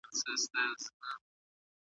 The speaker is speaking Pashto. ښځینه پولیسو په امنیتي ادارو کي کار کاوه.